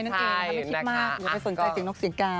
ทำให้คิดมากไม่ได้สนใจสิ่งนอกเสียงกา